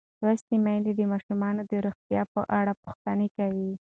لوستې میندې د ماشومانو د روغتیا په اړه پوښتنې کوي.